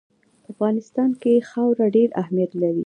په افغانستان کې خاوره ډېر اهمیت لري.